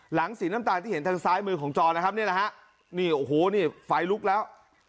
หลังสีน้ำตาลที่เห็นทางซ้ายมือของจอนะครับนี่แหละฮะนี่โอ้โหนี่ไฟลุกแล้ว